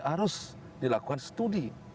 harus dilakukan studi